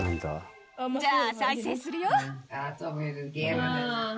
じゃあ、再生するよ。